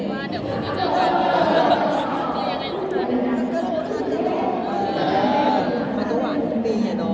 มันก็รู้ทันเลย